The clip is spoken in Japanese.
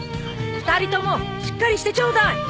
・２人ともしっかりしてちょうだい！